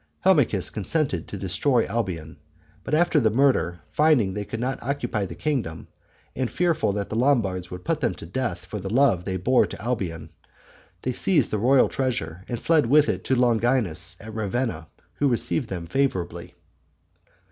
Helmichis consented to destroy Alboin; but after the murder, finding they could not occupy the kingdom, and fearful that the Lombards would put them to death for the love they bore to Alboin, they seized the royal treasure, and fled with it to Longinus, at Ravenna, who received them favorably.